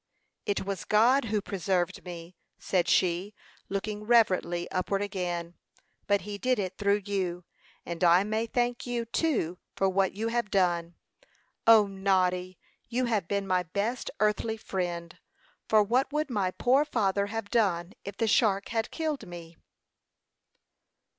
"It was God who preserved me," said she, looking reverently upward again; "but he did it through you; and I may thank you, too, for what you have done. O, Noddy, you have been my best earthly friend; for what would my poor father have done if the shark had killed me?"